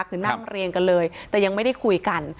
คือนั่งเรียงกันเลยแต่ยังไม่ได้คุยกัน